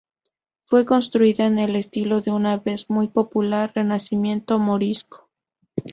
Fue construida en el estilo del una vez muy popular renacimiento morisco.